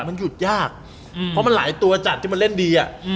มันหยุดยากเพราะมันหลายตัวจัดที่มันเล่นดีอ่ะ